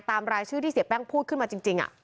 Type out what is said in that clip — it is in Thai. รายชื่อที่เสียแป้งพูดขึ้นมาจริง